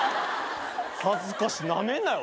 恥ずかしいなめんなよ。